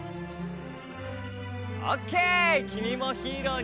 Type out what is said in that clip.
オッケー。